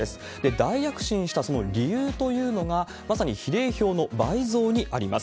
大躍進したその理由というのが、まさに比例票の倍増にあります。